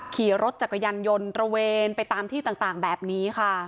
ขี่รถจักรยานยนต์ตระเวนไปตามที่ต่างแบบนี้ค่ะ